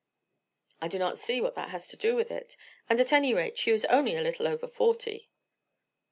"I do not see what that has to do with it; and at any rate she is only a little over forty."